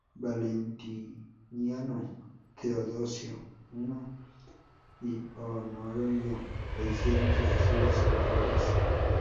Valentiniano, Teodosio I y Honorio le hicieron sucesivas reformas.